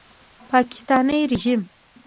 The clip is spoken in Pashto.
پاکستاني ریژیم